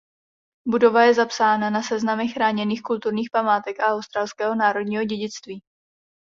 Budova je zapsána na seznamech chráněných kulturních památek a australského národního dědictví.